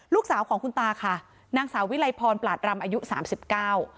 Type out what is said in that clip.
ลูกสาวของคุณตาค่ะนางสาววิลัยพรปลาดรำอายุสามสิบเก้า